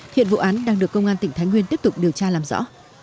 hiện vụ án đang được công an tỉnh thái nguyên tiếp tục điều tra làm rõ